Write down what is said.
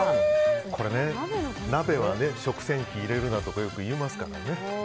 鍋は食洗機入れるなとかよく言いますからね。